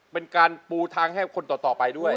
เป็นการปูทางให้คนต่อไปด้วย